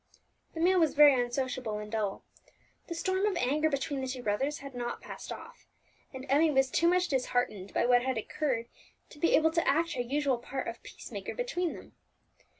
The meal was very unsociable and dull. The storm of anger between the two brothers had not passed off, and Emmie was too much disheartened by what had occurred to be able to act her usual part of peacemaker between them.